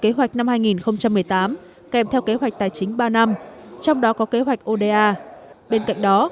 kế hoạch năm hai nghìn một mươi tám kèm theo kế hoạch tài chính ba năm trong đó có kế hoạch oda bên cạnh đó